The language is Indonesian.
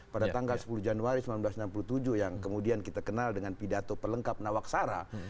pada tanggal sepuluh januari seribu sembilan ratus enam puluh tujuh yang kemudian kita kenal dengan pidato pelengkap nawaksara